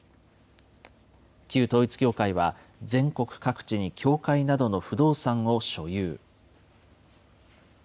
旧統一教会は、全国各地に教会などの不動産を所有。